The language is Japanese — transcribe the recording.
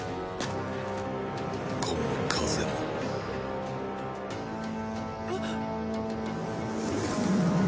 この風も。えっ。